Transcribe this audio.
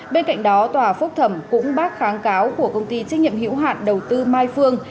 bên cạnh đó tòa phúc thẩm cũng bác kháng cáo của công ty trách nhiệm hữu hạn đầu tư mai phương